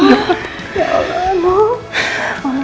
ya allah mak